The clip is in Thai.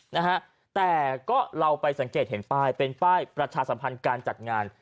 นะฮะแต่ก็เราไปสังเกตเห็นป้ายเป็นป้ายประชาสัมพันธ์การจัดงาน